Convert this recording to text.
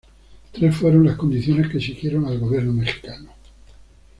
Tres fueron las condiciones que exigieron al gobierno mexicano: a.